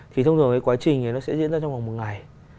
thì thông thường cái quá trình nó sẽ diễn ra trong khoảng một ngày